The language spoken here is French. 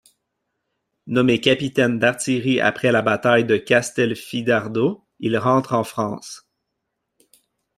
Nommé capitaine d'artillerie après la Bataille de Castelfidardo, il rentre en France.